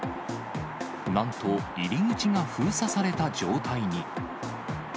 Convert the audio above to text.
なんと入り口が封鎖された状態に。